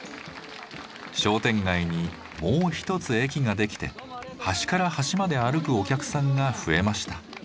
商店街にもう一つ駅ができて端から端まで歩くお客さんが増えました。